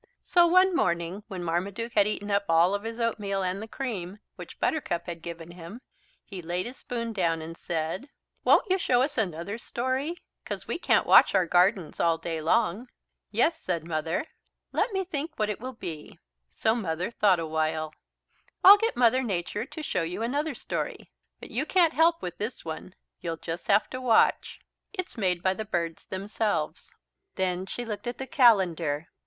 So one morning when Marmaduke had eaten up all of his oatmeal and the cream, which Buttercup had given him, he laid his spoon down and said: "Won't you show us another story, 'cause we can't watch our gardens all day long?" "Yes," said Mother, "let me think what it will be." So Mother thought awhile. "I'll get Mother Nature to show you another story. But you can't help with this one. You'll just have to watch. It's made by the birds themselves." Then she looked at the calendar.